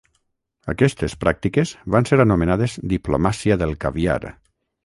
Aquestes pràctiques van ser anomenades diplomàcia del caviar.